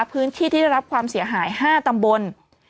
พื้นที่ที่ได้รับความเสียหาย๕ตำบล